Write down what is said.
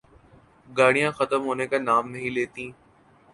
گاڑیاں ختم ہونے کا نام نہیں لیتیں۔